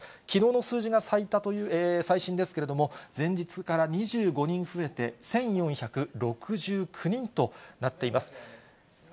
きのうの数字が最新ですけれども、前日から２５人増えて１４６９人となっています。